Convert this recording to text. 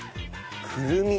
くるみ。